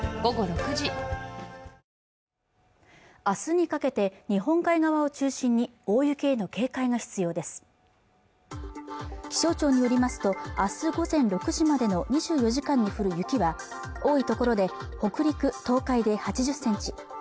明日にかけて日本海側を中心に大雪への警戒が必要です気象庁によりますとあす午前６時までの２４時間に降る雪は多いところで北陸東海で８０センチ